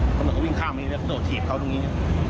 เขาหนึ่งก็วิ่งข้ามนี้แล้วก็โดดเผียบเขาตรงนี้